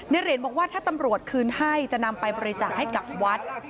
เหรียญบอกว่าถ้าตำรวจคืนให้จะนำไปบริจาคให้กับวัด